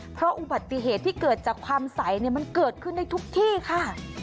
เพราะอุบัติเหตุที่เกิดจากความใสมันเกิดขึ้นได้ทุกที่ค่ะ